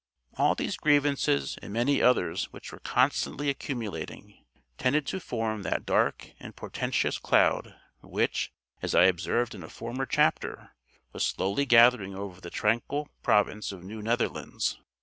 All these grievances, and many others which were constantly accumulating, tended to form that dark and portentious cloud which, as I observed in a former chapter, was slowly gathering over the tranquil province of New Netherlands.